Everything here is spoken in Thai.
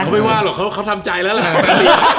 เขาไม่ว่าหรอกเขาทำใจแล้วแหละ